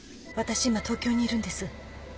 私今東京にいるんです。